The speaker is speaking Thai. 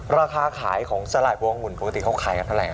ราคาขายของสลากวงองหุ่นปกติเขาขายกันเท่าไหร